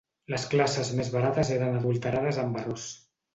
Les classes més barates eren adulterades amb arròs